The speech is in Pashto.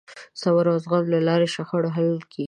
د صبر او زغم له لارې د شخړو حل ممکن دی.